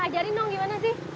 ajarin dong gimana sih